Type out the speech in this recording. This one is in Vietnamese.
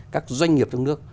các doanh nghiệp trong nước